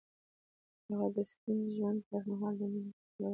هغه د سپین ژوند پر مهال د مینې خبرې وکړې.